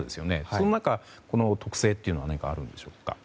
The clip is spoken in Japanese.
その特性というのは何かあるのでしょうか。